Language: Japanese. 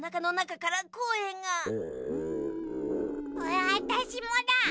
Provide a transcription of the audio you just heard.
わたしもだ。